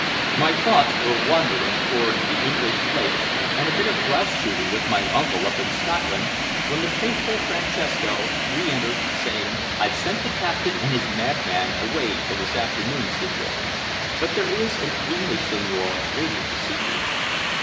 My thoughts were wandering toward the English lakes, and a bit of grouse shooting with my uncle up in Scotland, when the faithful Francesco re entered, saying "I've sent the captain and his madman away till this afternoon, signore. But there is an English signore waiting to see you."